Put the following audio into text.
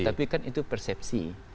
tapi kan itu persepsi